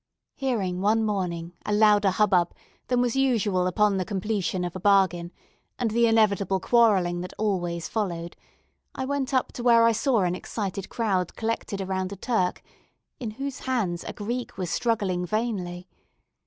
Hearing one morning a louder hubbub than was usual upon the completion of a bargain, and the inevitable quarrelling that always followed, I went up to where I saw an excited crowd collected around a Turk, in whose hands a Greek was struggling vainly.